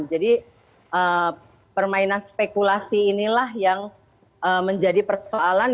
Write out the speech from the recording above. jadi permainan spekulasi inilah yang menjadi persoalan